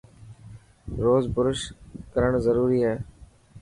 روز برش ڪرن ضروري هي.